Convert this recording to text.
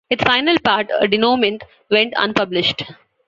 Its final part, a denouement, went unpublished.